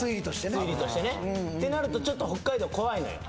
推理としてねってなるとちょっと北海道怖いのよ